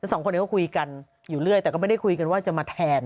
สองคนนี้เขาคุยกันอยู่เรื่อยแต่ก็ไม่ได้คุยกันว่าจะมาแทน